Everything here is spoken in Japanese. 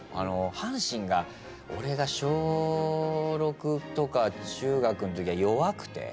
阪神が俺が小６とか中学ん時は弱くて。